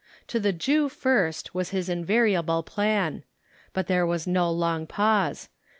" To the Jew first," Avas his invariable plan. But there Avas no long pause.